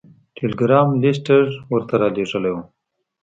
ټیلګرام لیسټرډ ورته رالیږلی و.